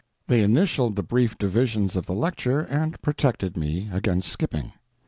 They initialed the brief divisions of the lecture and protected me against skipping.